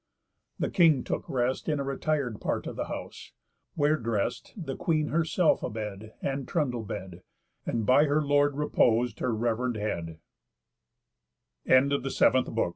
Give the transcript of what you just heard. The King took rest In a retir'd part of the house; where drest The Queen her self a bed, and trundlebed, And by her lord repos'd her rev'rend head. FINIS LIBRI SEPTIMI HOM. ODYSS.